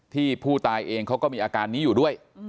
ที่ผู้ตายเองเขาก็มีอาการนี้อยู่ด้วย